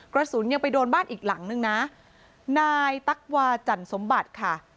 กระสุนยังไปโดนบ้านอีกหลังนึงนะนายตั๊กวาจันสมบัติค่ะ